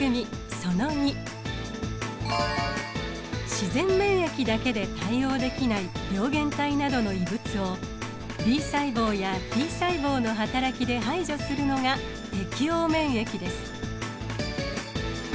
自然免疫だけで対応できない病原体などの異物をＢ細胞やＴ細胞のはたらきで排除するのが適応免疫です。